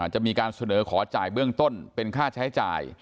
จะมีการเสนอขอจ่ายเบื้องต้นเป็นค่าใช้จ่าย